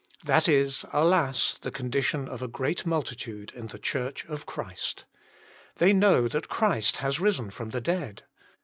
That is, alas, the con dition of a great multitude in the Church of Christ. They know that Christ has risen from the dead.